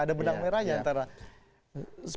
ada benang merahnya antara